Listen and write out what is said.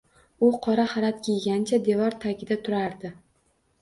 U qora xalat kiygancha devor tagida turardi